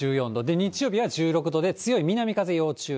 日曜日は１６度で、強い南風要注意。